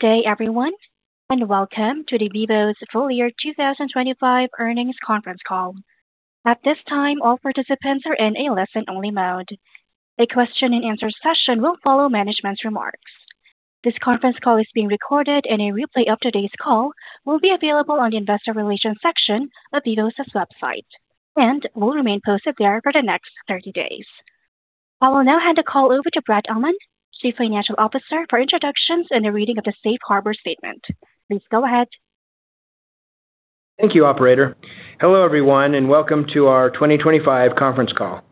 Good day everyone, and welcome to the Vivos full year 2025 Earnings Conference Call. At this time, all participants are in a listen-only mode. A question and answer session will follow management's remarks. This conference call is being recorded and a replay of today's call will be available on the investor relations section of Vivos' website and will remain posted there for the next 30 days. I will now hand the call over to Brad Amman, Chief Financial Officer, for introductions and a reading of the safe harbor statement. Please go ahead. Thank you, operator. Hello, everyone, and welcome to our 2025 conference call.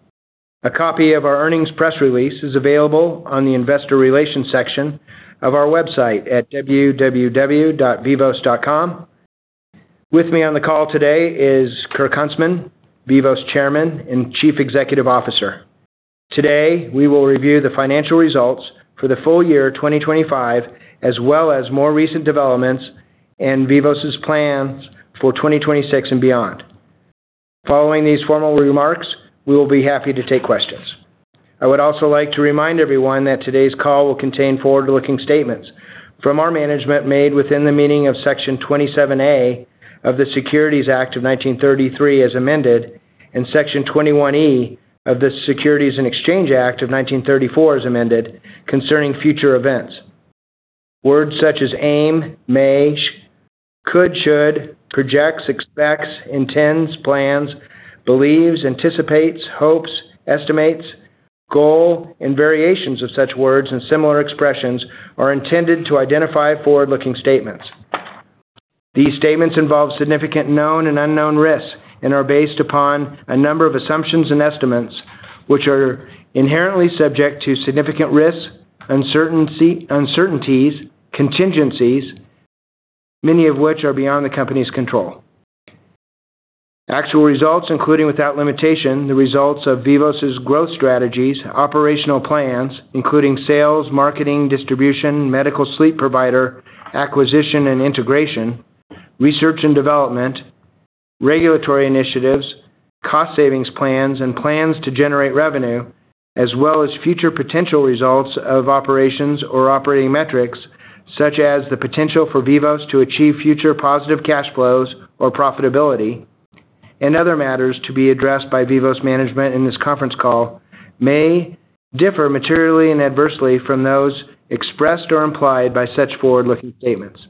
A copy of our earnings press release is available on the investor relations section of our website at www.vivos.com. With me on the call today is Kirk Huntsman, Vivos Chairman and Chief Executive Officer. Today, we will review the financial results for the full year 2025, as well as more recent developments and Vivos' plans for 2026 and beyond. Following these formal remarks, we will be happy to take questions. I would also like to remind everyone that today's call will contain forward-looking statements from our management made within the meaning of Section 27A of the Securities Act of 1933, as amended, and Section 21E of the Securities Exchange Act of 1934, as amended, concerning future events. Words such as aim, may, could, should, projects, expects, intends, plans, believes, anticipates, hopes, estimates, goal, and variations of such words and similar expressions are intended to identify forward-looking statements. These statements involve significant known and unknown risks and are based upon a number of assumptions and estimates, which are inherently subject to significant risks, uncertainties, contingencies, many of which are beyond the Company's control. Actual results, including, without limitation, the results of Vivos' growth strategies, operational plans, including sales, marketing, distribution, medical sleep provider acquisition and integration, research and development, regulatory initiatives, cost savings plans, and plans to generate revenue, as well as future potential results of operations or operating metrics, such as the potential for Vivos to achieve future positive cash flows or profitability, and other matters to be addressed by Vivos management in this conference call, may differ materially and adversely from those expressed or implied by such forward-looking statements.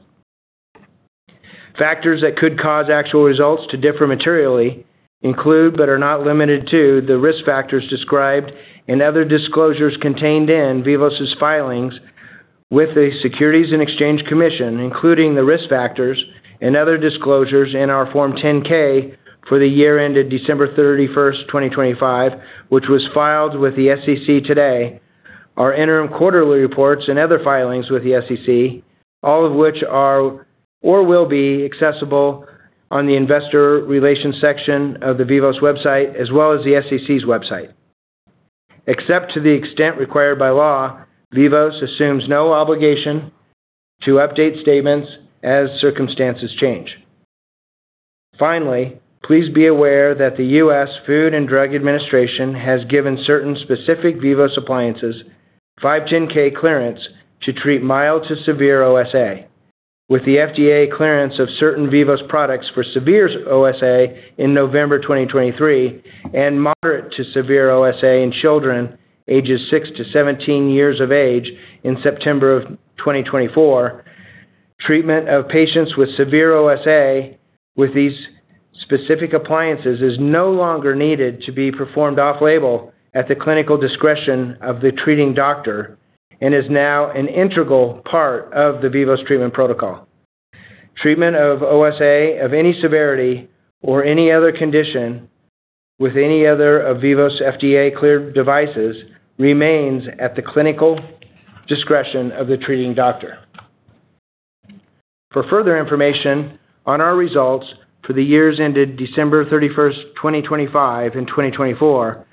Factors that could cause actual results to differ materially include, but are not limited to, the risk factors described and other disclosures contained in Vivos' filings with the Securities and Exchange Commission, including the risk factors and other disclosures in our Form 10-K for the year ended December 31st, 2025, which was filed with the SEC today, our interim quarterly reports, and other filings with the SEC, all of which are or will be accessible on the investor relations section of the Vivos website, as well as the SEC's website. Except to the extent required by law, Vivos assumes no obligation to update statements as circumstances change. Finally, please be aware that the U.S. Food and Drug Administration has given certain specific Vivos appliances 510(k) clearance to treat mild to severe OSA. With the FDA clearance of certain Vivos products for severe OSA in November 2023 and moderate to severe OSA in children ages six to 17 years of age in September of 2024, treatment of patients with severe OSA with these specific appliances is no longer needed to be performed off-label at the clinical discretion of the treating doctor and is now an integral part of the Vivos treatment protocol. Treatment of OSA of any severity or any other condition with any other of Vivos FDA-cleared devices remains at the clinical discretion of the treating doctor. For further information on our results for the years ended December 31st, 2025 and 2024,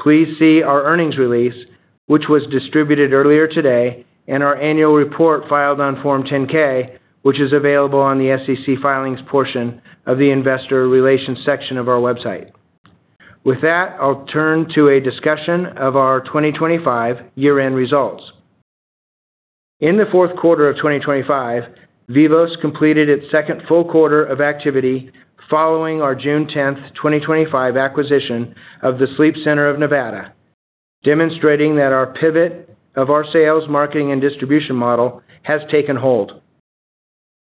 please see our earnings release, which was distributed earlier today, and our annual report filed on Form 10-K, which is available on the SEC filings portion of the investor relations section of our website. With that, I'll turn to a discussion of our 2025 year-end results. In the fourth quarter of 2025, Vivos completed its second full quarter of activity following our June 10th, 2025 acquisition of the Sleep Center of Nevada, demonstrating that our pivot of our sales, marketing, and distribution model has taken hold.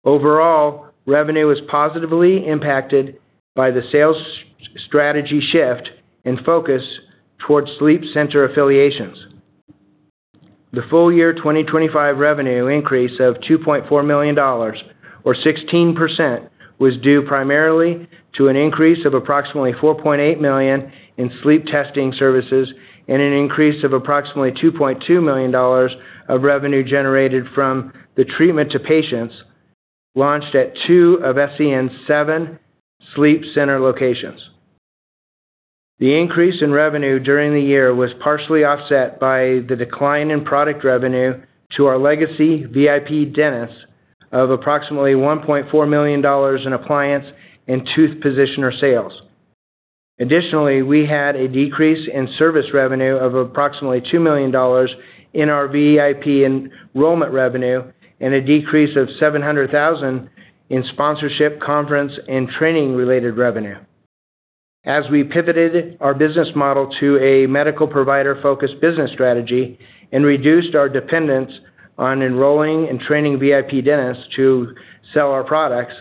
Overall, revenue was positively impacted by the sales strategy shift and focus towards sleep center affiliations. The full year 2025 revenue increase of $2.4 million or 16% was due primarily to an increase of approximately $4.8 million in sleep testing services and an increase of approximately $2.2 million of revenue generated from the treatment to patients launched at two of SCN's seven sleep center locations. The increase in revenue during the year was partially offset by the decline in product revenue to our legacy VIP dentists of approximately $1.4 million in appliance and tooth positioner sales. Additionally, we had a decrease in service revenue of approximately $2 million in our VIP enrollment revenue and a decrease of $700,000 in sponsorship, conference, and training-related revenue. As we pivoted our business model to a medical provider-focused business strategy and reduced our dependence on enrolling and training VIP dentists to sell our products,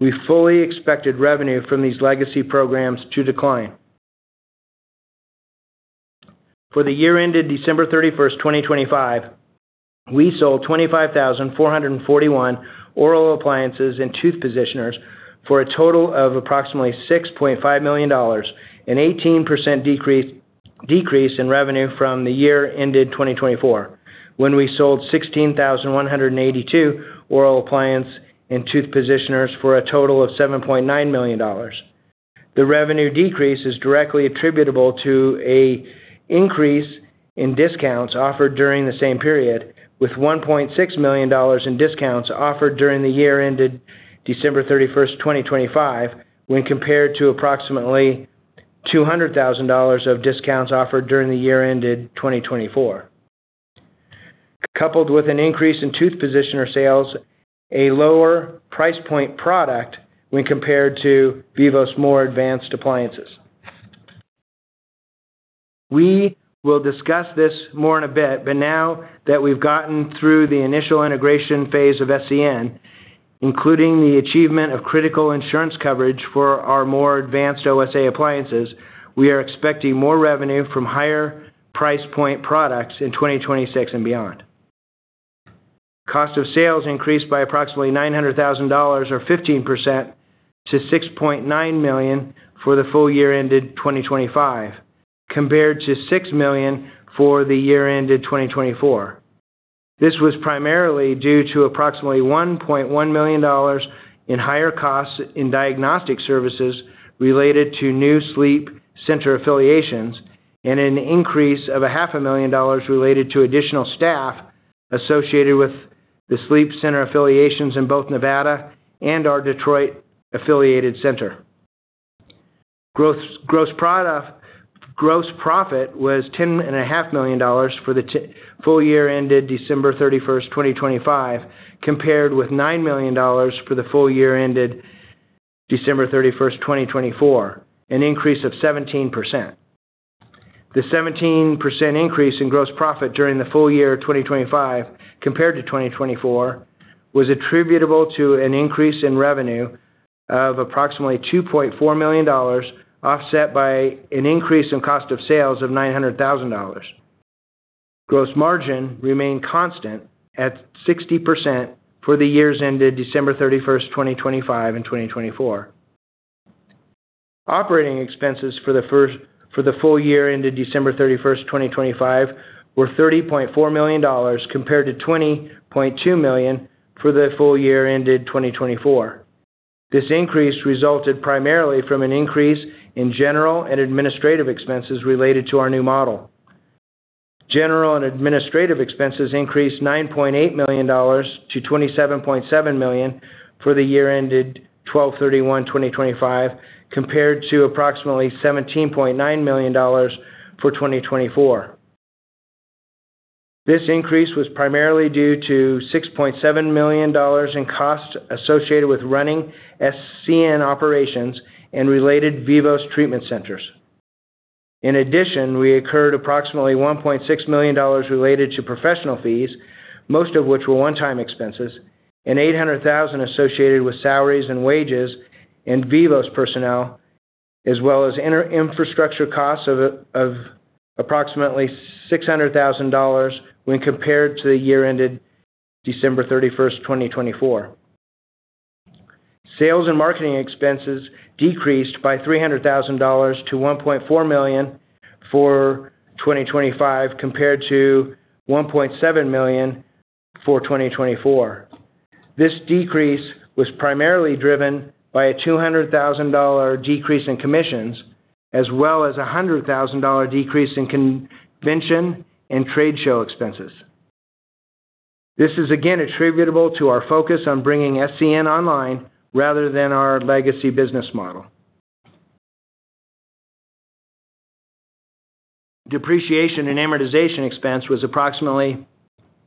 we fully expected revenue from these legacy programs to decline. For the year ended December 31st, 2025, we sold 25,441 oral appliances and tooth positioners for a total of approximately $6.5 million, an 18% decrease in revenue from the year ended 2024, when we sold 16,182 oral appliances and tooth positioners for a total of $7.9 million. The revenue decrease is directly attributable to an increase in discounts offered during the same period, with $1.6 million in discounts offered during the year ended December 31st, 2025, when compared to approximately $200,000 of discounts offered during the year ended 2024, coupled with an increase in tooth positioner sales, a lower price point product when compared to Vivos' more advanced appliances. We will discuss this more in a bit, but now that we've gotten through the initial integration phase of SCN, including the achievement of critical insurance coverage for our more advanced OSA appliances, we are expecting more revenue from higher price point products in 2026 and beyond. Cost of sales increased by approximately $900,000 or 15% to $6.9 million for the full year ended 2025, compared to $6 million for the year ended 2024. This was primarily due to approximately $1.1 million in higher costs in diagnostic services related to new sleep center affiliations and an increase of a half a million dollars related to additional staff associated with the sleep center affiliations in both Nevada and our Detroit-affiliated center. Gross profit was $10.5 million for the full year ended December 31st, 2025, compared with $9 million for the full year ended December 31st, 2024, an increase of 17%. The 17% increase in gross profit during the full year 2025 compared to 2024 was attributable to an increase in revenue of approximately $2.4 million, offset by an increase in cost of sales of $900,000. Gross margin remained constant at 60% for the years ended December 31st, 2025, and 2024. Operating expenses for the full year ended December 31st, 2025, were $30.4 million, compared to $20.2 million for the full year ended 2024. This increase resulted primarily from an increase in general and administrative expenses related to our new model. General and administrative expenses increased $9.8 million to $27.7 million for the year ended 12/31/2025 compared to approximately $17.9 million for 2024. This increase was primarily due to $6.7 million in costs associated with running SCN operations and related Vivos treatment centers. In addition, we incurred approximately $1.6 million related to professional fees, most of which were one-time expenses, and $800,000 associated with salaries and wages and Vivos personnel, as well as infrastructure costs of approximately $600,000 when compared to the year ended December 31st, 2024. Sales and marketing expenses decreased by $300,000 to $1.4 million for 2025, compared to $1.7 million for 2024. This decrease was primarily driven by a $200,000 decrease in commissions, as well as $100,000 decrease in convention and trade show expenses. This is again attributable to our focus on bringing SCN online rather than our legacy business model. Depreciation and amortization expense was approximately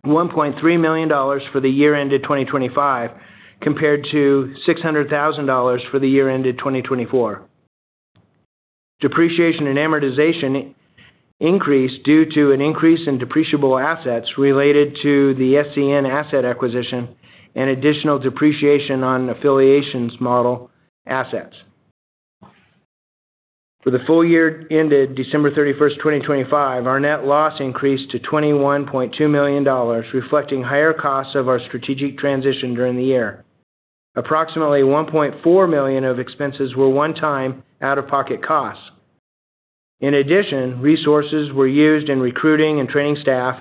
$1.3 million for the year ended 2025, compared to $600,000 for the year ended 2024. Depreciation and amortization increased due to an increase in depreciable assets related to the SCN asset acquisition and additional depreciation on affiliations model assets. For the full year ended December 31st, 2025, our net loss increased to $21.2 million, reflecting higher costs of our strategic transition during the year. Approximately $1.4 million of expenses were one-time, out-of-pocket costs. In addition, resources were used in recruiting and training staff,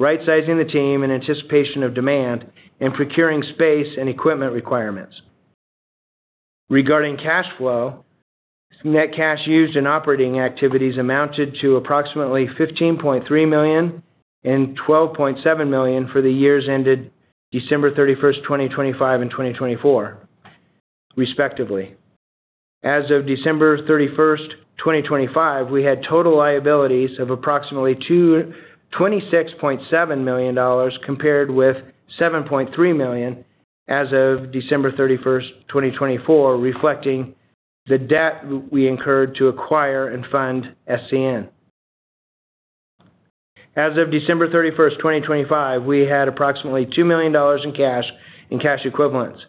rightsizing the team in anticipation of demand, and procuring space and equipment requirements. Regarding cash flow, net cash used in operating activities amounted to approximately $15.3 million and $12.7 million for the years ended December 31st, 2025 and 2024, respectively. As of December 31st, 2025, we had total liabilities of approximately $26.7 million, compared with $7.3 million as of December 31st, 2024, reflecting the debt we incurred to acquire and fund SCN. As of December 31st, 2025, we had approximately $2 million in cash and cash equivalents.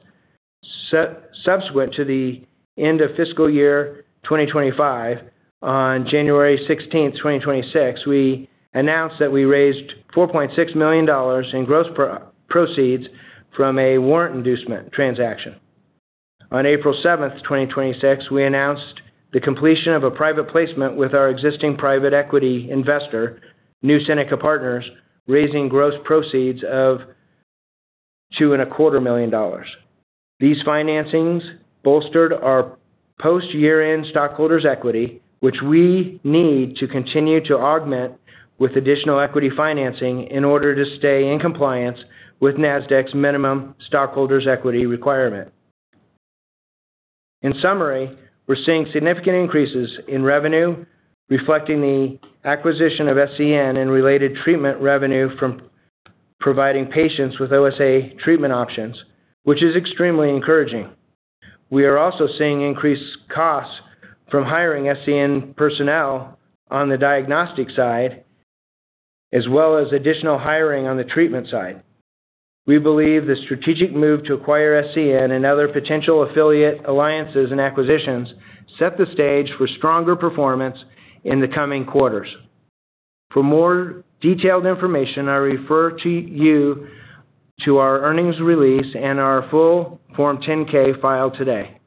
Subsequent to the end of fiscal year 2025, on January 16th, 2026, we announced that we raised $4.6 million in gross proceeds from a warrant inducement transaction. On April 7th, 2026, we announced the completion of a private placement with our existing private equity investor, New Seneca Partners, raising gross proceeds of $2.25 million. These financings bolstered our post-year-end stockholders' equity, which we need to continue to augment with additional equity financing in order to stay in compliance with Nasdaq's minimum stockholders' equity requirement. In summary, we're seeing significant increases in revenue reflecting the acquisition of SCN and related treatment revenue from providing patients with OSA treatment options, which is extremely encouraging. We are also seeing increased costs from hiring SCN personnel on the diagnostic side, as well as additional hiring on the treatment side. We believe the strategic move to acquire SCN and other potential affiliate alliances and acquisitions set the stage for stronger performance in the coming quarters. For more detailed information, I refer you to our earnings release and our full Form 10-K filed today.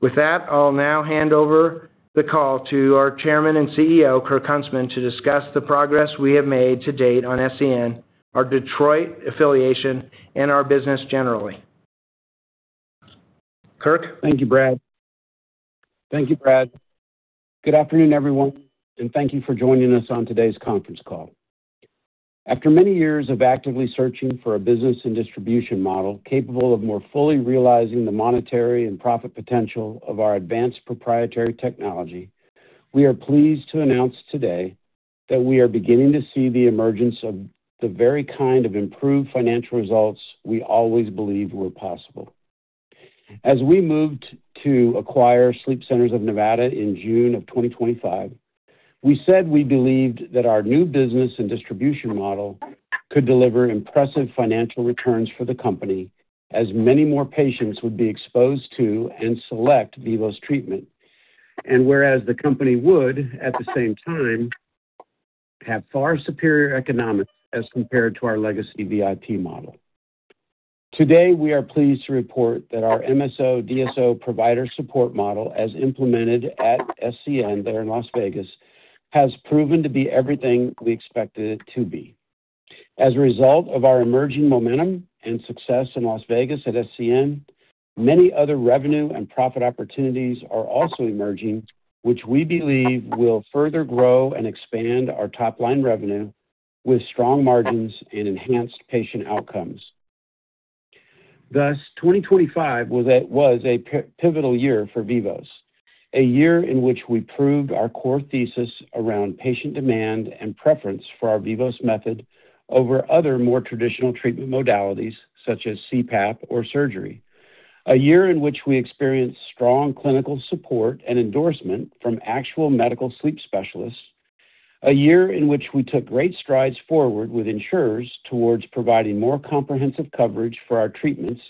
With that, I'll now hand over the call to our chairman and CEO, Kirk Huntsman, to discuss the progress we have made to date on SCN, our Detroit affiliation, and our business generally. Kirk? Thank you, Brad. Good afternoon, everyone, and thank you for joining us on today's conference call. After many years of actively searching for a business and distribution model capable of more fully realizing the monetary and profit potential of our advanced proprietary technology, we are pleased to announce today that we are beginning to see the emergence of the very kind of improved financial results we always believed were possible. As we moved to acquire The Sleep Center of Nevada in June of 2025, we said we believed that our new business and distribution model could deliver impressive financial returns for the company as many more patients would be exposed to and select Vivos treatment. Whereas the company would, at the same time, have far superior economics as compared to our legacy VIP model. Today, we are pleased to report that our MSO/DSO provider support model, as implemented at SCN there in Las Vegas, has proven to be everything we expected it to be. As a result of our emerging momentum and success in Las Vegas at SCN, many other revenue and profit opportunities are also emerging, which we believe will further grow and expand our top-line revenue with strong margins and enhanced patient outcomes. Thus, 2025 was a pivotal year for Vivos. A year in which we proved our core thesis around patient demand and preference for our Vivos Method over other, more traditional treatment modalities such as CPAP or surgery. A year in which we experienced strong clinical support and endorsement from actual medical sleep specialists. A year in which we took great strides forward with insurers towards providing more comprehensive coverage for our treatments,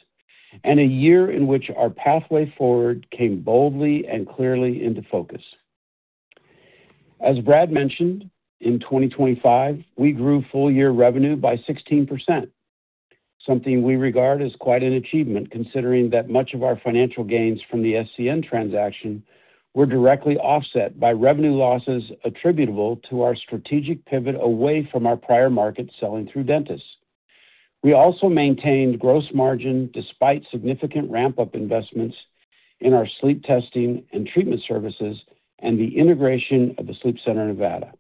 and a year in which our pathway forward came boldly and clearly into focus. As Brad mentioned, in 2025, we grew full-year revenue by 16%, something we regard as quite an achievement, considering that much of our financial gains from the SCN transaction were directly offset by revenue losses attributable to our strategic pivot away from our prior market selling through dentists. We also maintained gross margin despite significant ramp-up investments in our sleep testing and treatment services and the integration of the Sleep Center of Nevada.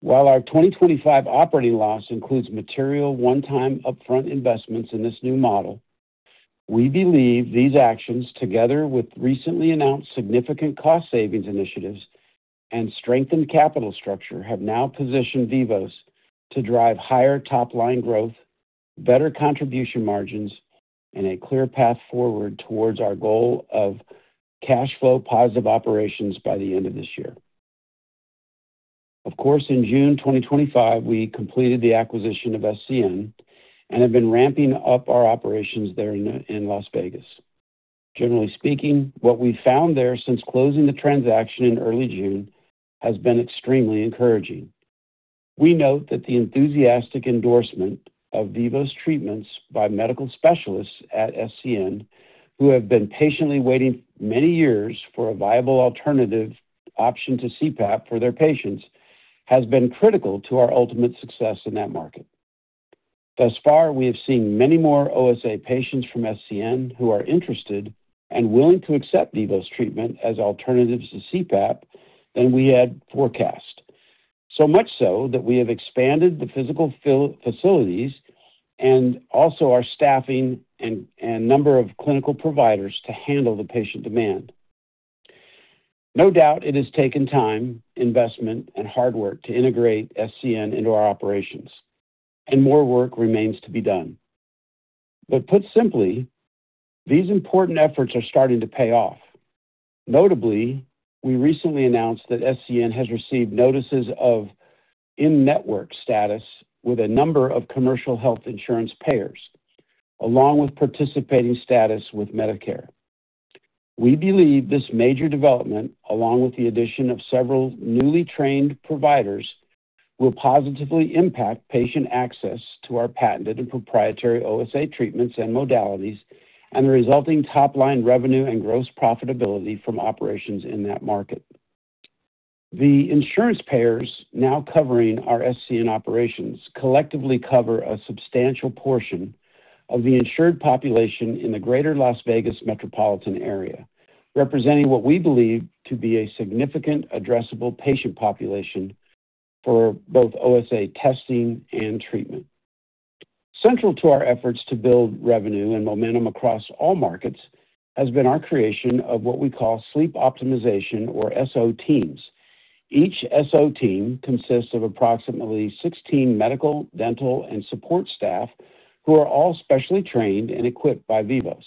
While our 2025 operating loss includes material one-time upfront investments in this new model, we believe these actions, together with recently announced significant cost savings initiatives and strengthened capital structure, have now positioned Vivos to drive higher top-line growth, better contribution margins, and a clear path forward towards our goal of cash flow positive operations by the end of this year. Of course, in June 2025, we completed the acquisition of SCN and have been ramping up our operations there in Las Vegas. Generally speaking, what we've found there since closing the transaction in early June has been extremely encouraging. We note that the enthusiastic endorsement of Vivos treatments by medical specialists at SCN, who have been patiently waiting many years for a viable alternative option to CPAP for their patients, has been critical to our ultimate success in that market. Thus far, we have seen many more OSA patients from SCN who are interested and willing to accept Vivos treatment as alternatives to CPAP than we had forecast. So much so that we have expanded the physical facilities and also our staffing and number of clinical providers to handle the patient demand. No doubt it has taken time, investment, and hard work to integrate SCN into our operations, and more work remains to be done. Put simply, these important efforts are starting to pay off. Notably, we recently announced that SCN has received notices of in-network status with a number of commercial health insurance payers, along with participating status with Medicare. We believe this major development, along with the addition of several newly trained providers, will positively impact patient access to our patented and proprietary OSA treatments and modalities and the resulting top-line revenue and gross profitability from operations in that market. The insurance payers now covering our SCN operations collectively cover a substantial portion of the insured population in the greater Las Vegas metropolitan area, representing what we believe to be a significant addressable patient population for both OSA testing and treatment. Central to our efforts to build revenue and momentum across all markets has been our creation of what we call sleep optimization or SO teams. Each SO team consists of approximately 16 medical, dental, and support staff who are all specially trained and equipped by Vivos.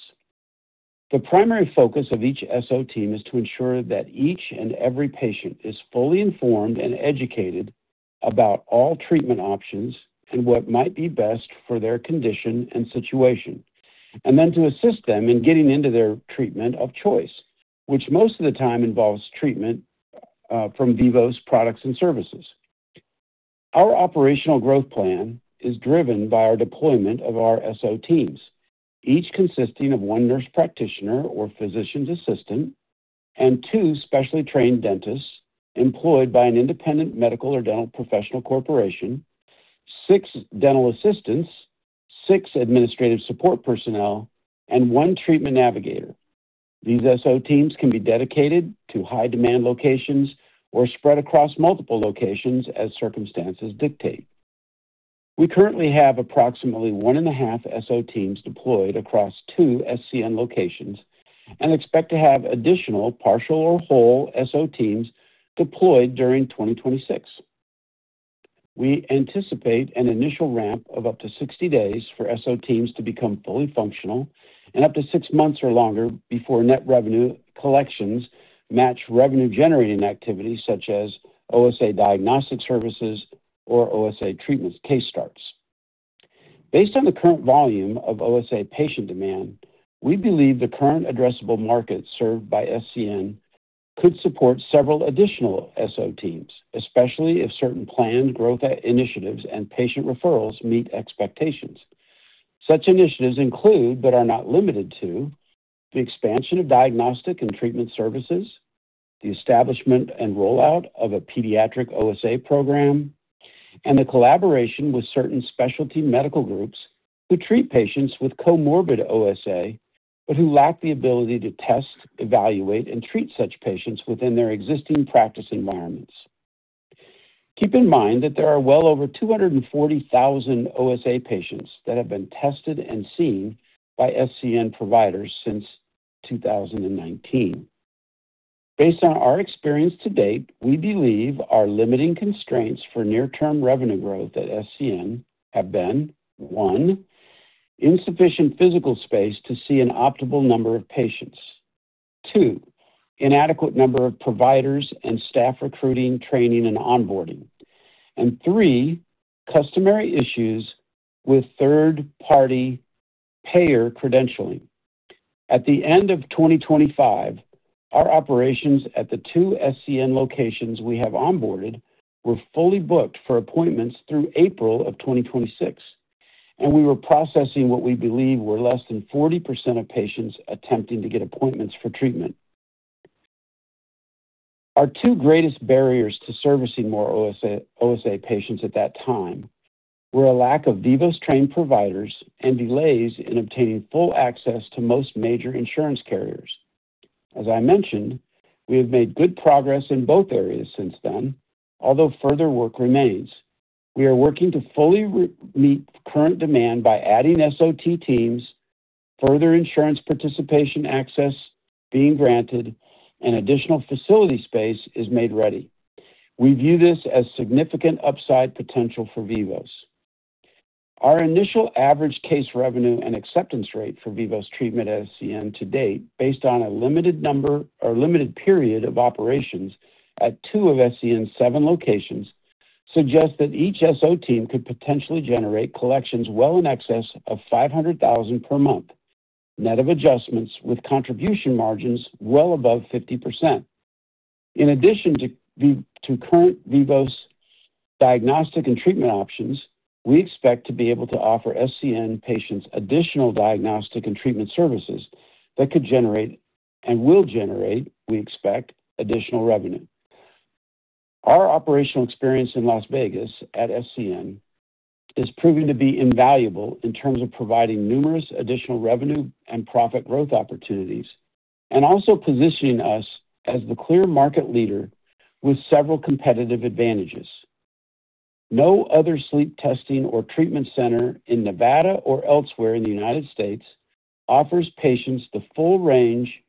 The primary focus of each SO team is to ensure that each and every patient is fully informed and educated about all treatment options and what might be best for their condition and situation, and then to assist them in getting into their treatment of choice, which most of the time involves treatment from Vivos products and services. Our operational growth plan is driven by our deployment of our SO teams, each consisting of one nurse practitioner or physician's assistant and two specially trained dentists employed by an independent medical or dental professional corporation, six dental assistants, six administrative support personnel, and one treatment navigator. These SO teams can be dedicated to high-demand locations or spread across multiple locations as circumstances dictate. We currently have approximately one and a half SO teams deployed across two SCN locations and expect to have additional partial or whole SO teams deployed during 2026. We anticipate an initial ramp of up to 60 days for SO teams to become fully functional and up to six months or longer before net revenue collections match revenue-generating activities such as OSA diagnostic services or OSA treatments case starts. Based on the current volume of OSA patient demand, we believe the current addressable market served by SCN could support several additional SO teams, especially if certain planned growth initiatives and patient referrals meet expectations. Such initiatives include, but are not limited to, the expansion of diagnostic and treatment services, the establishment and rollout of a pediatric OSA program, and the collaboration with certain specialty medical groups who treat patients with comorbid OSA but who lack the ability to test, evaluate, and treat such patients within their existing practice environments. Keep in mind that there are well over 240,000 OSA patients that have been tested and seen by SCN providers since 2019. Based on our experience to date, we believe our limiting constraints for near-term revenue growth at SCN have been, one, insufficient physical space to see an optimal number of patients. Two, inadequate number of providers and staff recruiting, training, and onboarding. Three, customary issues with third-party payer credentialing. At the end of 2025, our operations at the two SCN locations we have onboarded were fully booked for appointments through April of 2026, and we were processing what we believe were less than 40% of patients attempting to get appointments for treatment. Our two greatest barriers to servicing more OSA patients at that time were a lack of Vivos-trained providers and delays in obtaining full access to most major insurance carriers. As I mentioned, we have made good progress in both areas since then, although further work remains. We are working to fully meet current demand by adding SO teams, further insurance participation access being granted, and additional facility space is made ready. We view this as significant upside potential for Vivos. Our initial average case revenue and acceptance rate for Vivos treatment at SCN to date, based on a limited period of operations at two of SCN's seven locations, suggests that each SO team could potentially generate collections well in excess of $500,000 per month, net of adjustments with contribution margins well above 50%. In addition to current Vivos diagnostic and treatment options, we expect to be able to offer SCN patients additional diagnostic and treatment services that could generate and will generate, we expect, additional revenue. Our operational experience in Las Vegas at SCN is proving to be invaluable in terms of providing numerous additional revenue and profit growth opportunities, and also positioning us as the clear market leader with several competitive advantages. No other sleep testing or treatment center in Nevada or elsewhere in the United States offers patients the full range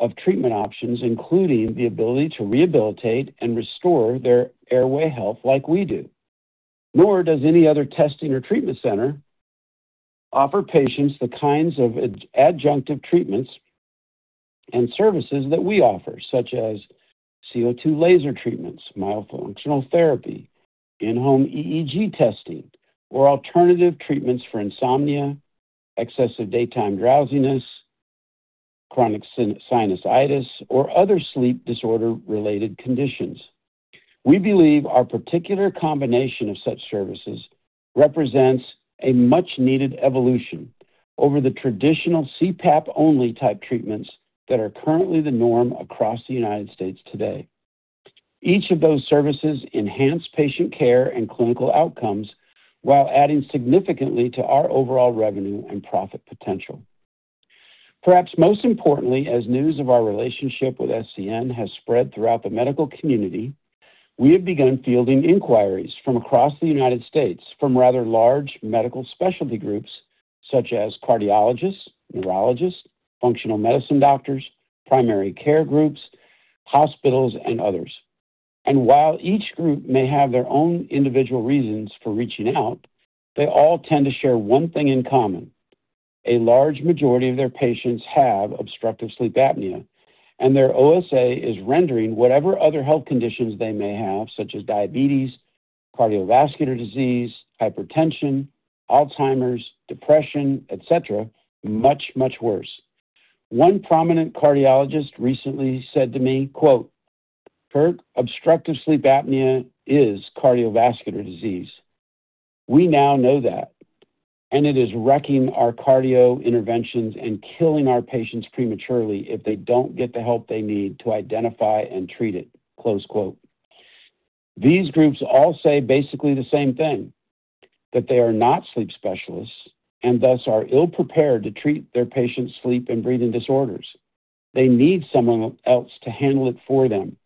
of treatment options, including the ability to rehabilitate and restore their airway health like we do. Nor does any other testing or treatment center offer patients the kinds of adjunctive treatments and services that we offer, such as CO2 laser treatments, myofunctional therapy, in-home EEG testing, or alternative treatments for insomnia, excessive daytime drowsiness, chronic sinusitis, or other sleep disorder-related conditions. We believe our particular combination of such services represents a much-needed evolution over the traditional CPAP-only type treatments that are currently the norm across the United States today. Each of those services enhance patient care and clinical outcomes while adding significantly to our overall revenue and profit potential. Perhaps most importantly, as news of our relationship with SCN has spread throughout the medical community, we have begun fielding inquiries from across the United States from rather large medical specialty groups such as cardiologists, neurologists, functional medicine doctors, primary care groups, hospitals, and others. While each group may have their own individual reasons for reaching out, they all tend to share one thing in common. A large majority of their patients have obstructive sleep apnea, and their OSA is rendering whatever other health conditions they may have, such as diabetes, cardiovascular disease, hypertension, Alzheimer's, depression, et cetera, much, much worse. One prominent cardiologist recently said to me, quote, "Kirk, obstructive sleep apnea is cardiovascular disease. We now know that, and it is wrecking our cardio interventions and killing our patients prematurely if they don't get the help they need to identify and treat it." Close quote. These groups all say basically the same thing, that they are not sleep specialists and thus are ill-prepared to treat their patients' sleep and breathing disorders. They need someone else to handle it for them,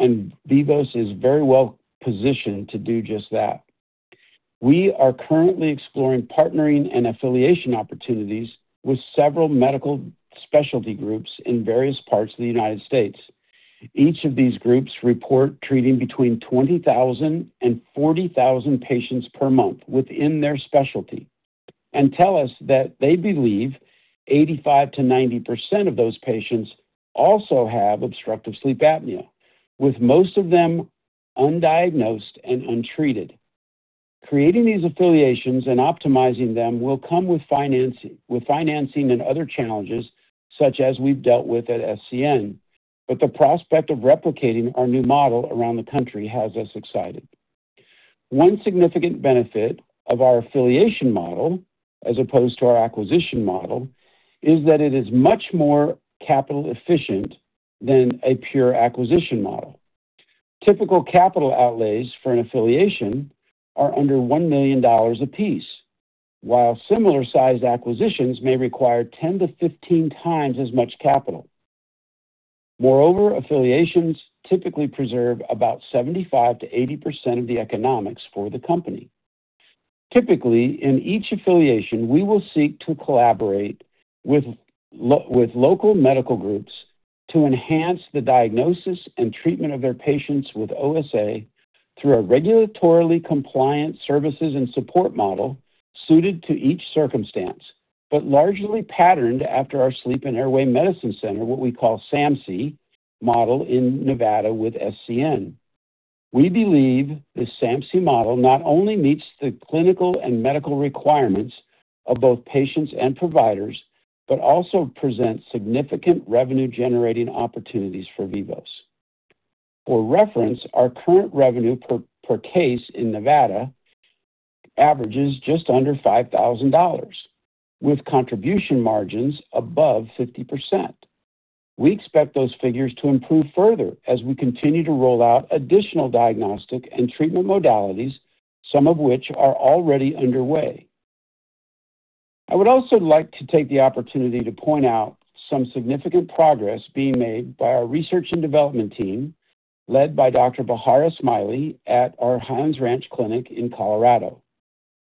and Vivos is very well positioned to do just that. We are currently exploring partnering and affiliation opportunities with several medical specialty groups in various parts of the United States. Each of these groups report treating between 20,000 and 40,000 patients per month within their specialty and tell us that they believe 85%-90% of those patients also have obstructive sleep apnea, with most of them undiagnosed and untreated. Creating these affiliations and optimizing them will come with financing and other challenges, such as we've dealt with at SCN, but the prospect of replicating our new model around the country has us excited. One significant benefit of our affiliation model, as opposed to our acquisition model, is that it is much more capital efficient than a pure acquisition model. Typical capital outlays for an affiliation are under $1 million apiece, while similar-sized acquisitions may require 10-15 times as much capital. Moreover, affiliations typically preserve about 75%-80% of the economics for the company. Typically, in each affiliation, we will seek to collaborate with local medical groups to enhance the diagnosis and treatment of their patients with OSA through a regulatorily compliant services and support model suited to each circumstance, but largely patterned after our Sleep and Airway Medicine Center, what we call SAMC, model in Nevada with SCN. We believe this SAMC model not only meets the clinical and medical requirements of both patients and providers, but also presents significant revenue-generating opportunities for Vivos. For reference, our current revenue per case in Nevada averages just under $5,000 with contribution margins above 50%. We expect those figures to improve further as we continue to roll out additional diagnostic and treatment modalities, some of which are already underway. I would also like to take the opportunity to point out some significant progress being made by our research and development team led by Dr. Bahar Esmaili at our Highlands Ranch clinic in Colorado.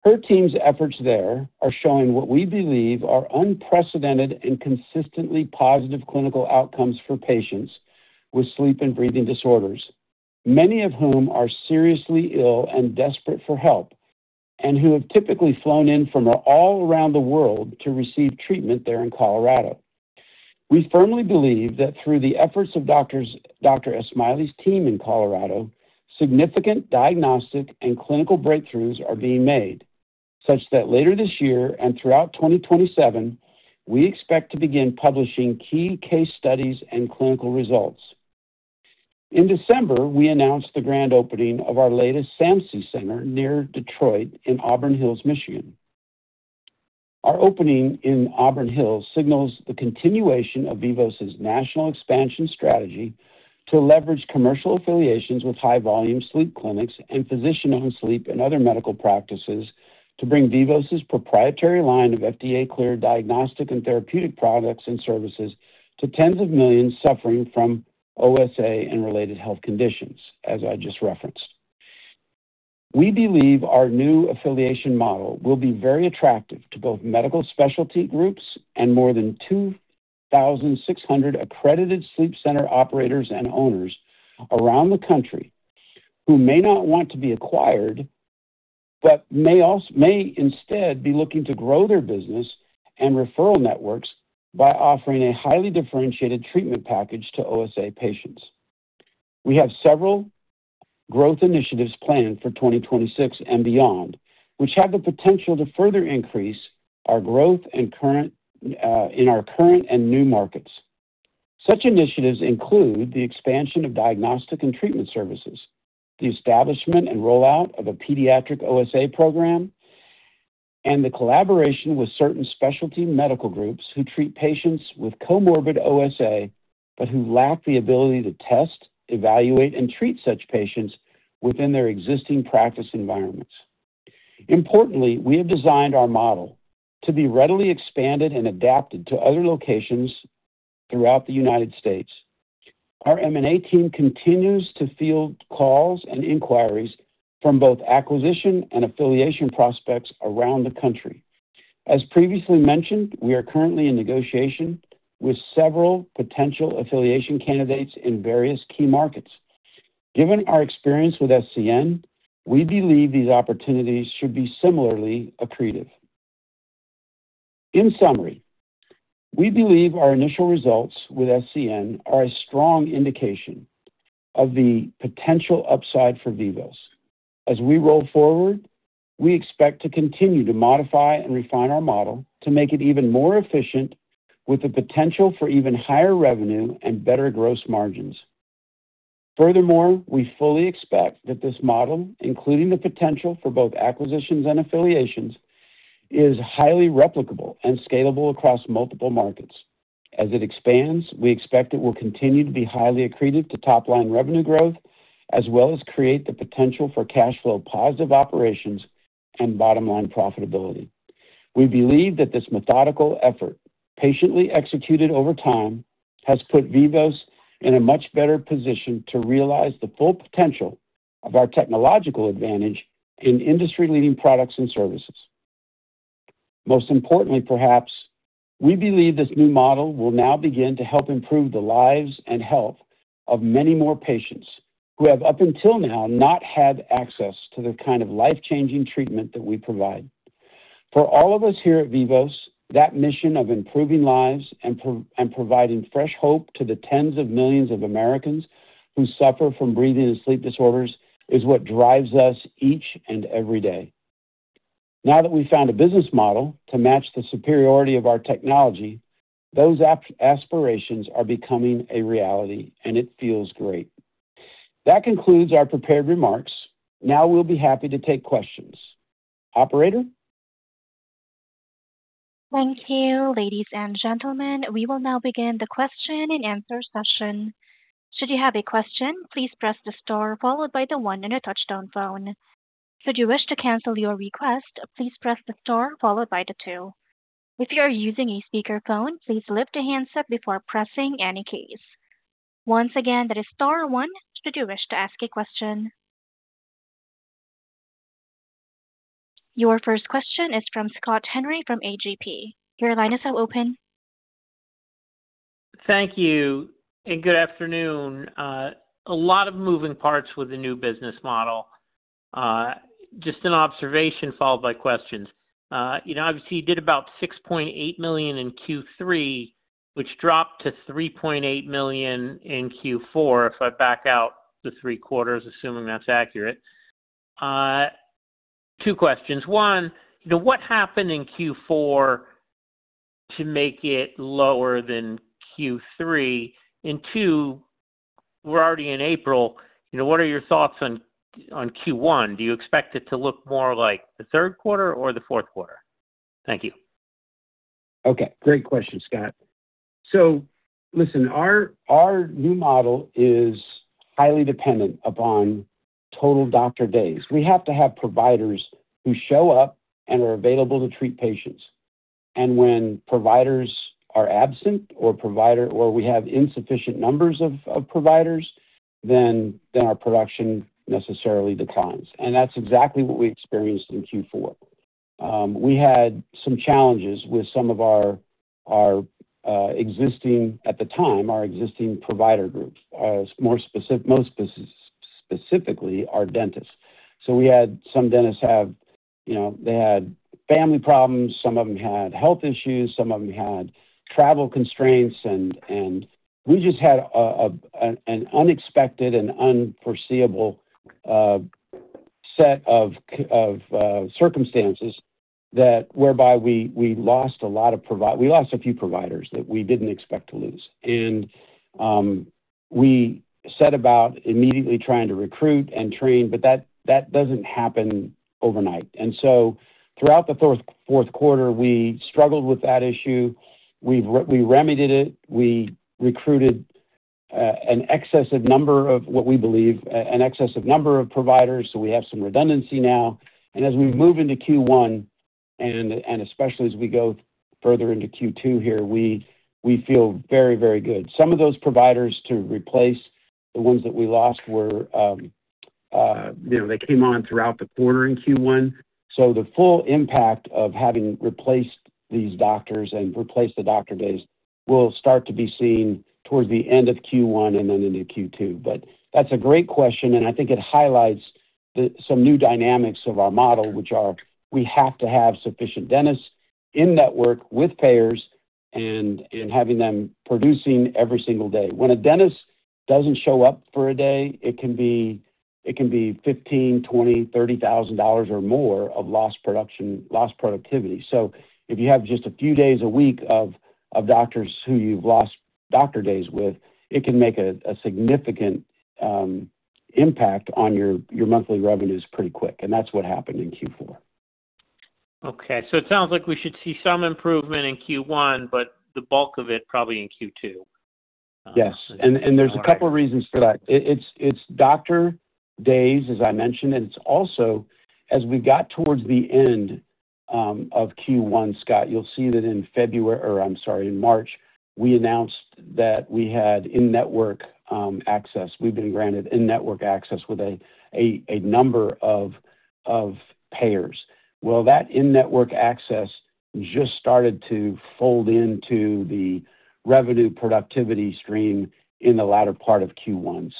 Her team's efforts there are showing what we believe are unprecedented and consistently positive clinical outcomes for patients with sleep and breathing disorders, many of whom are seriously ill and desperate for help, and who have typically flown in from all around the world to receive treatment there in Colorado. We firmly believe that through the efforts of Dr. Esmaili's team in Colorado, significant diagnostic and clinical breakthroughs are being made, such that later this year and throughout 2027, we expect to begin publishing key case studies and clinical results. In December, we announced the grand opening of our latest SAMC center near Detroit in Auburn Hills, Michigan. Our opening in Auburn Hills signals the continuation of Vivos' national expansion strategy to leverage commercial affiliations with high-volume sleep clinics and physician-owned sleep and other medical practices to bring Vivos' proprietary line of FDA-cleared diagnostic and therapeutic products and services to tens of millions suffering from OSA and related health conditions, as I just referenced. We believe our new affiliation model will be very attractive to both medical specialty groups and more than 2,600 accredited sleep center operators and owners around the country who may not want to be acquired but may instead be looking to grow their business and referral networks by offering a highly differentiated treatment package to OSA patients. We have several growth initiatives planned for 2026 and beyond, which have the potential to further increase our growth in our current and new markets. Such initiatives include the expansion of diagnostic and treatment services, the establishment and rollout of a pediatric OSA program, and the collaboration with certain specialty medical groups who treat patients with comorbid OSA but who lack the ability to test, evaluate, and treat such patients within their existing practice environments. Importantly, we have designed our model to be readily expanded and adapted to other locations throughout the United States. Our M&A team continues to field calls and inquiries from both acquisition and affiliation prospects around the country. As previously mentioned, we are currently in negotiation with several potential affiliation candidates in various key markets. Given our experience with SCN, we believe these opportunities should be similarly accretive. In summary, we believe our initial results with SCN are a strong indication of the potential upside for Vivos. As we roll forward, we expect to continue to modify and refine our model to make it even more efficient, with the potential for even higher revenue and better gross margins. Furthermore, we fully expect that this model, including the potential for both acquisitions and affiliations, is highly replicable and scalable across multiple markets. As it expands, we expect it will continue to be highly accretive to top-line revenue growth, as well as create the potential for cash flow positive operations and bottom-line profitability. We believe that this methodical effort, patiently executed over time, has put Vivos in a much better position to realize the full potential of our technological advantage in industry-leading products and services. Most importantly, perhaps, we believe this new model will now begin to help improve the lives and health of many more patients who have, up until now, not had access to the kind of life-changing treatment that we provide. For all of us here at Vivos, that mission of improving lives and providing fresh hope to the tens of millions of Americans who suffer from breathing and sleep disorders is what drives us each and every day. Now that we've found a business model to match the superiority of our technology, those aspirations are becoming a reality, and it feels great. That concludes our prepared remarks. Now we'll be happy to take questions. Operator? Thank you, ladies and gentlemen. We will now begin the question and answer session. Should you have a question, please press the star followed by the one on your touchtone phone. Should you wish to cancel your request, please press the star followed by the two. If you are using a speakerphone, please lift the handset before pressing any keys. Once again, that is star one should you wish to ask a question. Your first question is from Scott Henry from Alliance Global Partners. Your line is now open. Thank you, and good afternoon. A lot of moving parts with the new business model. Just an observation followed by questions. Obviously, you did about $6.8 million in Q3, which dropped to $3.8 million in Q4, if I back out the three quarters, assuming that's accurate. Two questions. One, what happened in Q4 to make it lower than Q3? And two, we're already in April. What are your thoughts on Q1? Do you expect it to look more like the third quarter or the fourth quarter? Thank you. Okay. Great question, Scott. Listen, our new model is highly dependent upon total doctor days. We have to have providers who show up and are available to treat patients. When providers are absent or we have insufficient numbers of providers, then our production necessarily declines. That's exactly what we experienced in Q4. We had some challenges with some of our existing provider groups. Most specifically, our dentists. We had some dentists have family problems, some of them had health issues, some of them had travel constraints, and we just had an unexpected and unforeseeable set of circumstances whereby we lost a few providers that we didn't expect to lose. We set about immediately trying to recruit and train, but that doesn't happen overnight. Throughout the fourth quarter, we struggled with that issue. We remedied it. We recruited an excess number of what we believe is an excess number of providers, so we have some redundancy now. As we move into Q1, and especially as we go further into Q2 here, we feel very, very good. Some of those providers to replace the ones that we lost, they came on throughout the quarter in Q1. The full impact of having replaced these doctors and replaced the doctor days will start to be seen towards the end of Q1 and then into Q2. That's a great question, and I think it highlights some new dynamics of our model, which are, we have to have sufficient dentists in network with payers and having them producing every single day. When a dentist doesn't show up for a day, it can be $15,000, $20,000, $30,000 or more of lost productivity. If you have just a few days a week of doctors who you've lost doctor days with, it can make a significant impact on your monthly revenues pretty quick, and that's what happened in Q4. Okay. It sounds like we should see some improvement in Q1, but the bulk of it probably in Q2. Yes. There's a couple of reasons for that. It's doctor days, as I mentioned, and it's also, as we got towards the end of Q1, Scott, you'll see that in February, or I'm sorry, in March, we announced that we had in-network access. We've been granted in-network access with a number of payers. Well, that in-network access just started to fold into the revenue productivity stream in the latter part of Q1.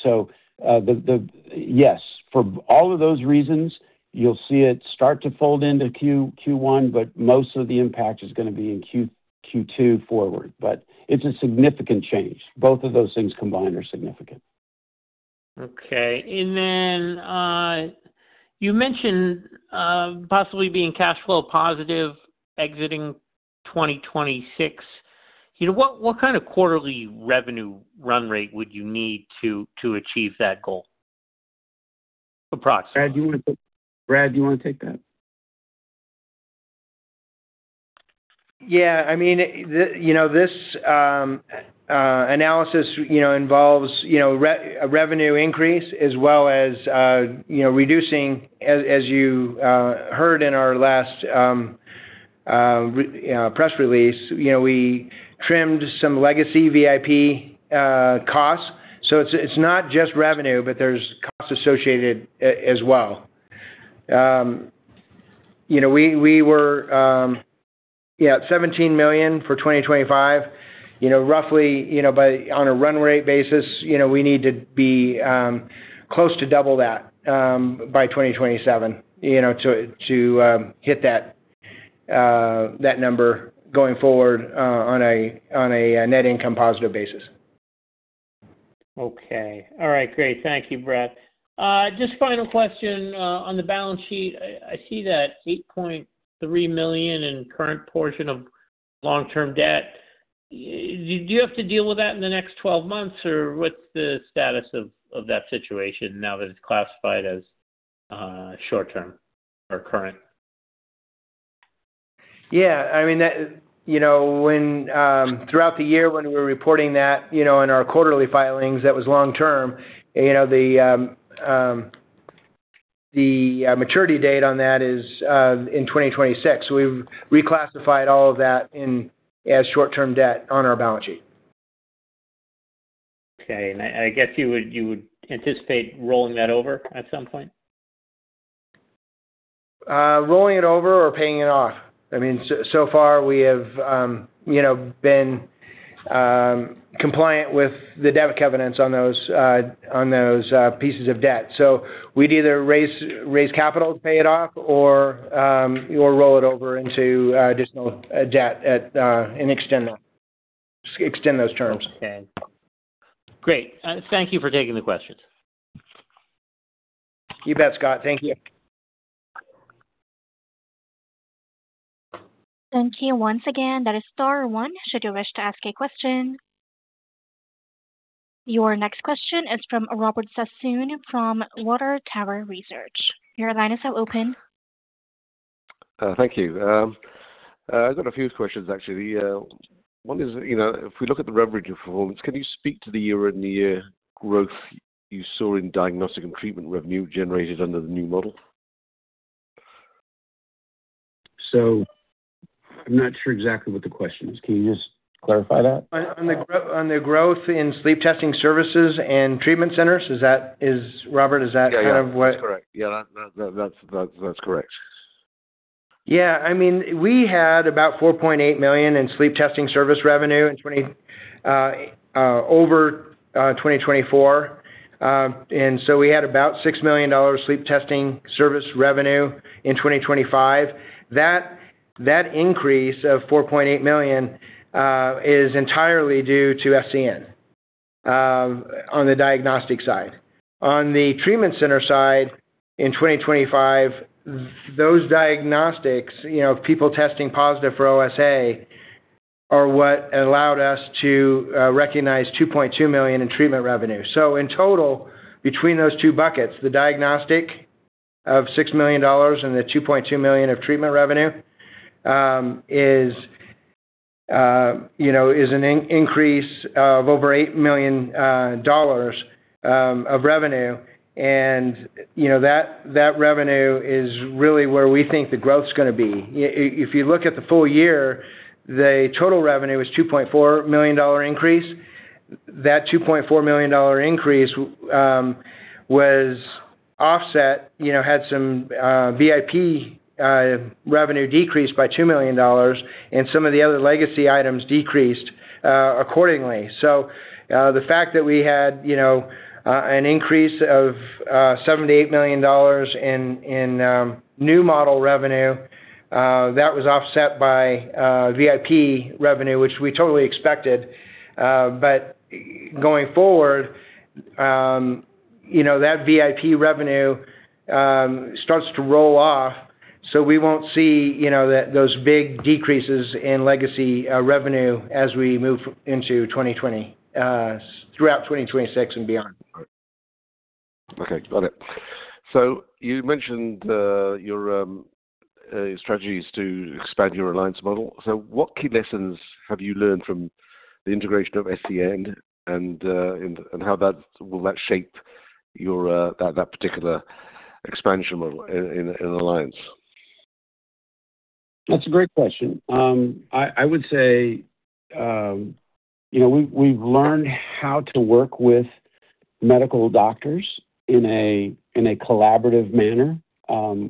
Yes. For all of those reasons, you'll see it start to fold into Q1, but most of the impact is going to be in Q2 forward. It's a significant change. Both of those things combined are significant. Okay. You mentioned possibly being cash flow positive exiting 2026. What kind of quarterly revenue run rate would you need to achieve that goal? Approximately. Brad, do you want to take that? Yeah. This analysis involves a revenue increase as well as reducing, as you heard in our last press release, we trimmed some legacy VIP costs. It's not just revenue, but there's costs associated as well. We were at $17 million for 2025. Roughly, on a run rate basis, we need to be close to double that by 2027 to hit that number going forward on a net income positive basis. Okay. All right. Great. Thank you, Brad. Just final question. On the balance sheet, I see that $8.3 million in current portion of long-term debt. Do you have to deal with that in the next 12 months, or what's the status of that situation now that it's classified as short-term or current? Yeah. Throughout the year when we were reporting that in our quarterly filings, that was long-term. The maturity date on that is in 2026. We've reclassified all of that as short-term debt on our balance sheet. Okay. I guess you would anticipate rolling that over at some point. Rolling it over or paying it off. Far, we have been compliant with the debt covenants on those pieces of debt. We'd either raise capital to pay it off or roll it over into additional debt and extend those terms. Okay. Great. Thank you for taking the questions. You bet, Scott. Thank you. Thank you once again. That is star one should you wish to ask a question. Your next question is from Robert Sassoon from Water Tower Research. Your line is now open. Thank you. I've got a few questions, actually. One is, if we look at the revenue performance, can you speak to the year-on-year growth you saw in diagnostic and treatment revenue generated under the new model? I'm not sure exactly what the question is. Can you just clarify that? On the growth in sleep testing services and treatment centers. Robert, is that kind of what? Yeah, that's correct. Yeah. We had about $4.8 million in sleep testing service revenue over 2024. We had about $6 million sleep testing service revenue in 2025. That increase of $4.8 million is entirely due to SCN on the diagnostic side. On the treatment center side In 2025, those diagnostics, people testing positive for OSA, are what allowed us to recognize $2.2 million in treatment revenue. In total, between those two buckets, the diagnostic of $6 million and the $2.2 million of treatment revenue is an increase of over $8 million of revenue. That revenue is really where we think the growth's going to be. If you look at the full year, the total revenue is a $2.4 million increase. That $2.4 million increase was offset by some VIP revenue decrease by $2 million, and some of the other legacy items decreased accordingly. The fact that we had an increase of $7-$8 million in new model revenue, that was offset by VIP revenue, which we totally expected. Going forward, that VIP revenue starts to roll off, so we won't see those big decreases in legacy revenue as we move into 2020, throughout 2026 and beyond. Okay, got it. You mentioned your strategies to expand your alliance model. What key lessons have you learned from the integration of SCN and how will that shape that particular expansion model in alliance? That's a great question. I would say, we've learned how to work with medical doctors in a collaborative manner.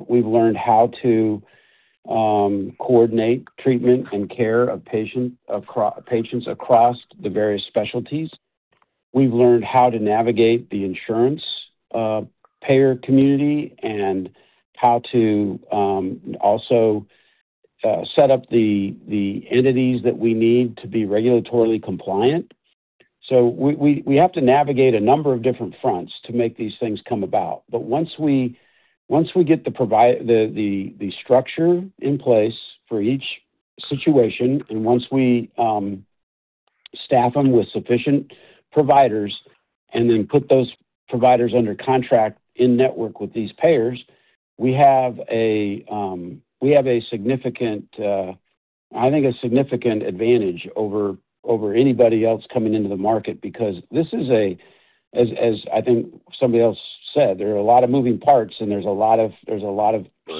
We've learned how to coordinate treatment and care of patients across the various specialties. We've learned how to navigate the insurance payer community and how to also set up the entities that we need to be regulatorily compliant. We have to navigate a number of different fronts to make these things come about. Once we get the structure in place for each situation, and once we staff them with sufficient providers and then put those providers under contract in-network with these payers, we have a significant, I think a significant advantage over anybody else coming into the market. Because this is a, as I think somebody else said, there are a lot of moving parts and there's a lot of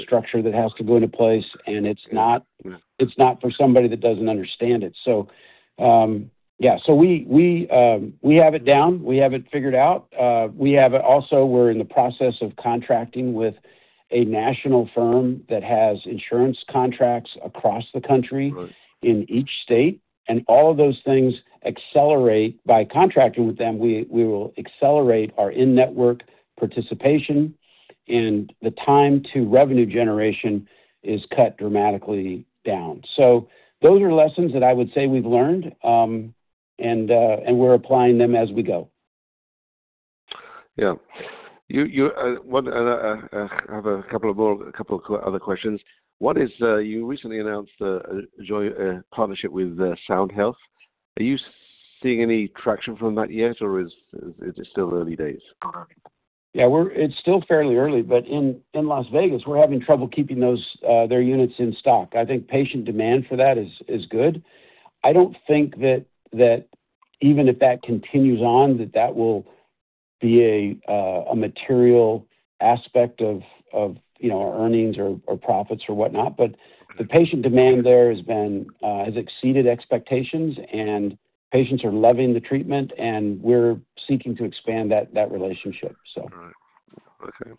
structure that has to go into place, and it's not for somebody that doesn't understand it. Yeah. We have it down. We have it figured out. Also, we're in the process of contracting with a national firm that has insurance contracts across the country. Right In each state, and all of those things accelerate. By contracting with them, we will accelerate our in-network participation and the time to revenue generation is cut dramatically down. Those are lessons that I would say we've learned, and we're applying them as we go. Yeah. I have a couple of other questions. One is, you recently announced a joint partnership with Sound Health. Are you seeing any traction from that yet, or is it still early days? Yeah, it's still fairly early, but in Las Vegas, we're having trouble keeping their units in stock. I think patient demand for that is good. I don't think that even if that continues on, that will be a material aspect of our earnings or profits or whatnot. But the patient demand there has exceeded expectations, and patients are loving the treatment, and we're seeking to expand that relationship. Right. Okay.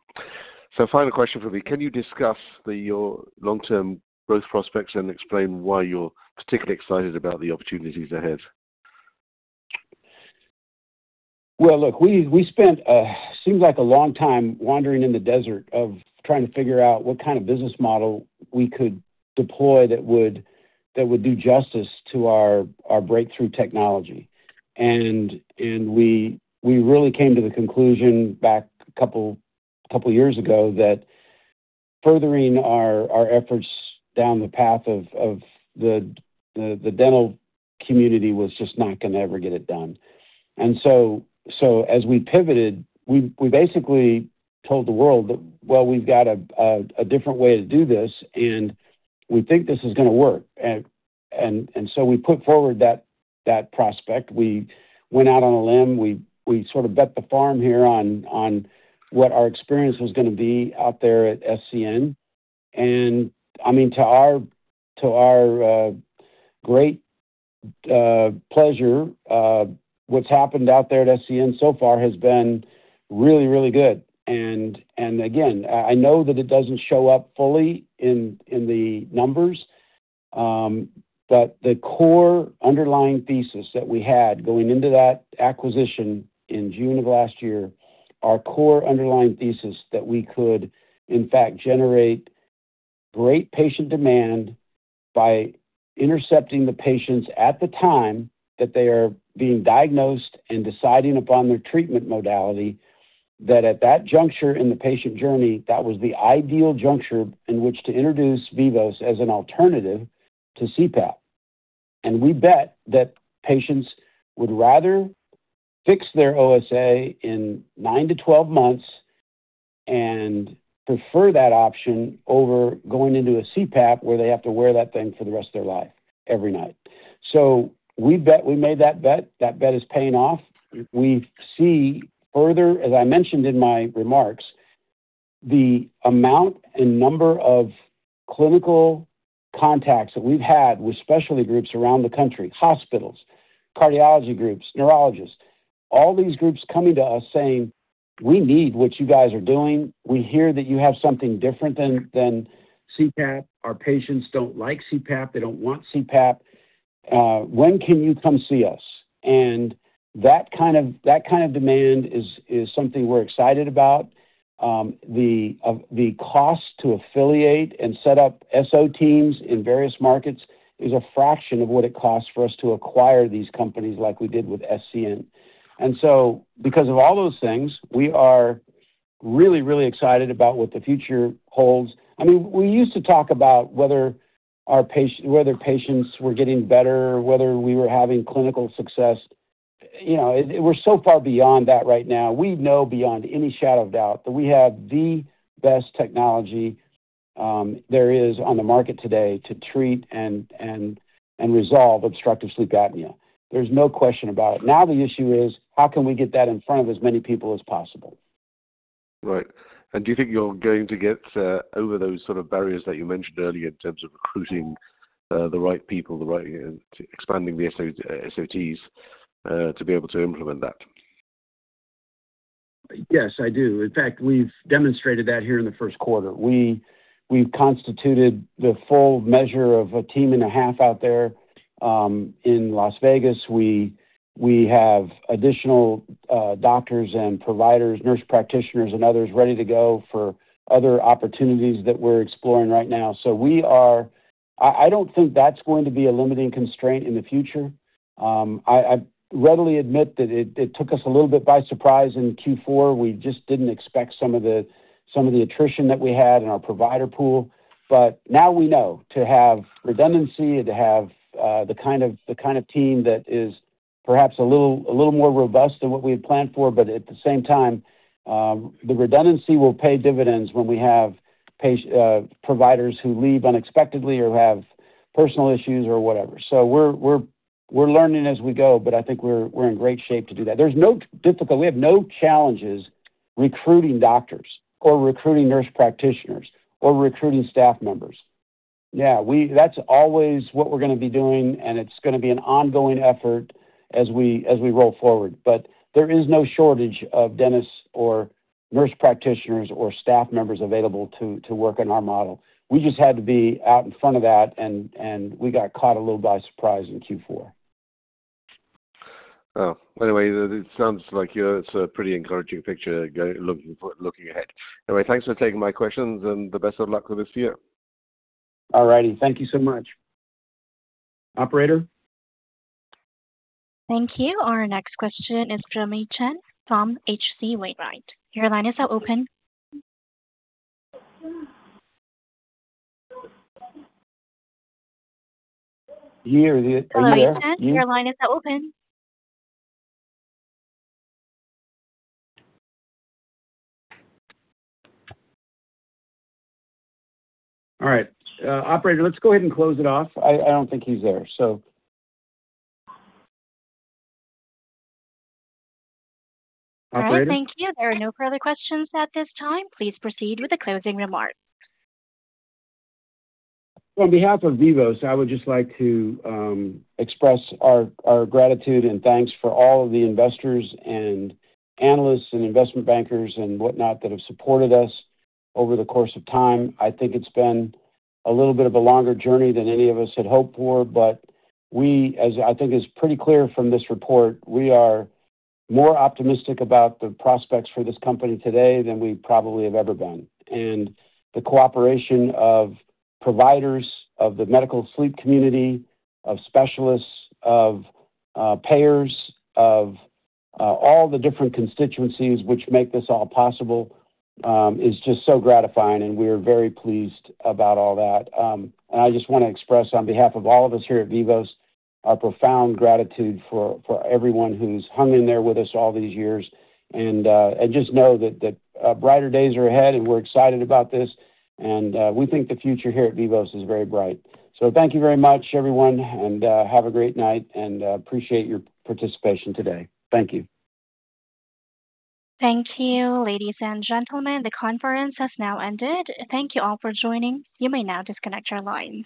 Final question for me. Can you discuss your long-term growth prospects and explain why you're particularly excited about the opportunities ahead? Well, look, we spent seems like a long time wandering in the desert of trying to figure out what kind of business model we could deploy that would do justice to our breakthrough technology. We really came to the conclusion back a couple years ago that furthering our efforts down the path of the dental community was just not going to ever get it done. As we pivoted, we basically told the world that, well, we've got a different way to do this, and we think this is going to work. We put forward that prospect. We went out on a limb. We sort of bet the farm here on what our experience was going to be out there at SCN. I mean, to our great pleasure, what's happened out there at SCN so far has been really, really good. Again, I know that it doesn't show up fully in the numbers. The core underlying thesis that we had going into that acquisition in June of last year, our core underlying thesis that we could in fact generate great patient demand by intercepting the patients at the time that they are being diagnosed and deciding upon their treatment modality, that at that juncture in the patient journey, that was the ideal juncture in which to introduce Vivos as an alternative to CPAP. We bet that patients would rather fix their OSA in 9-12 months and prefer that option over going into a CPAP, where they have to wear that thing for the rest of their life every night. We made that bet. That bet is paying off. We see further, as I mentioned in my remarks, the amount and number of clinical contacts that we've had with specialty groups around the country, hospitals, cardiology groups, neurologists, all these groups coming to us saying, "We need what you guys are doing. We hear that you have something different than CPAP. Our patients don't like CPAP. They don't want CPAP. When can you come see us?" That kind of demand is something we're excited about. The cost to affiliate and set up SO teams in various markets is a fraction of what it costs for us to acquire these companies like we did with SCN. Because of all those things, we are really, really excited about what the future holds. We used to talk about whether patients were getting better, whether we were having clinical success. We're so far beyond that right now. We know beyond any shadow of doubt that we have the best technology there is on the market today to treat and resolve obstructive sleep apnea. There's no question about it. Now the issue is how can we get that in front of as many people as possible? Right. Do you think you're going to get over those sort of barriers that you mentioned earlier in terms of recruiting the right people and expanding the SO teams to be able to implement that? Yes, I do. In fact, we've demonstrated that here in the first quarter. We've constituted the full measure of a team and a half out there in Las Vegas. We have additional doctors and providers, nurse practitioners, and others ready to go for other opportunities that we're exploring right now. I don't think that's going to be a limiting constraint in the future. I readily admit that it took us a little bit by surprise in Q4. We just didn't expect some of the attrition that we had in our provider pool. Now we know to have redundancy and to have the kind of team that is perhaps a little more robust than what we had planned for. At the same time, the redundancy will pay dividends when we have providers who leave unexpectedly or have personal issues or whatever. We're learning as we go, but I think we're in great shape to do that. We have no challenges recruiting doctors or recruiting nurse practitioners or recruiting staff members. Yeah. That's always what we're going to be doing, and it's going to be an ongoing effort as we roll forward. There is no shortage of dentists or nurse practitioners or staff members available to work in our model. We just had to be out in front of that, and we got caught a little by surprise in Q4. Well, anyway, it sounds like it's a pretty encouraging picture looking ahead. Anyway, thanks for taking my questions, and the best of luck for this year. All right. Thank you so much. Operator? Thank you. Our next question is from Yi Chen from H.C. Wainwright. Your line is now open. Are you there, Yi? Yi Chen, your line is now open. All right. Operator, let's go ahead and close it off. I don't think he's there. Operator? All right. Thank you. There are no further questions at this time. Please proceed with the closing remarks. On behalf of Vivos, I would just like to express our gratitude and thanks to all of the investors and analysts and investment bankers and whatnot that have supported us over the course of time. I think it's been a little bit of a longer journey than any of us had hoped for, but we, as I think is pretty clear from this report, we are more optimistic about the prospects for this company today than we probably have ever been. The cooperation of providers of the medical sleep community, of specialists, of payers, of all the different constituencies which make this all possible, is just so gratifying, and we're very pleased about all that. I just want to express on behalf of all of us here at Vivos, our profound gratitude for everyone who's hung in there with us all these years. Just know that brighter days are ahead, and we're excited about this. We think the future here at Vivos is very bright. Thank you very much, everyone, and have a great night, and appreciate your participation today. Thank you. Thank you, ladies and gentlemen. The conference has now ended. Thank you all for joining. You may now disconnect your lines.